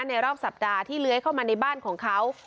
รอบสัปดาห์ที่เลื้อยเข้ามาในบ้านของเขา